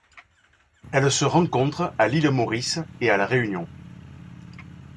Elles se rencontrent à l'île Maurice et à La Réunion.